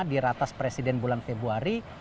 di ratas presiden bulan februari